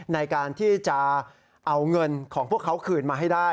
ในการที่จะเอาเงินของพวกเขาคืนมาให้ได้